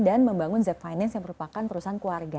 dan membangun zeph finance yang merupakan perusahaan keluarga